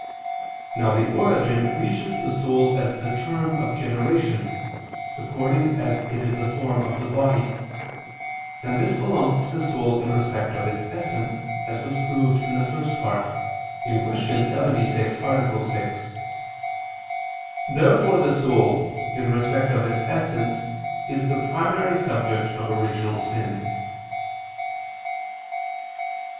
Now the origin reaches the soul as the term of generation, according as it is the form of the body: and this belongs to the soul in respect of its essence, as was proved in the First Part (Q. 76, A. 6). Therefore the soul, in respect of its essence, is the primary subject of original sin.